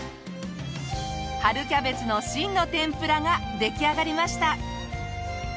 春キャベツの芯の天ぷらが出来上がりました。